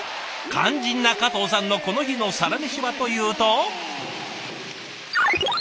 肝心な加藤さんのこの日のサラメシはというと。